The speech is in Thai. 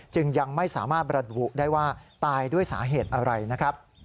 จึงยังไม่สามารถบรรบุได้ว่าตายด้วยสาเหตุอะไรนะครับ